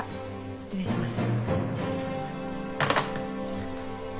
失礼します。